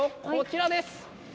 こちらです。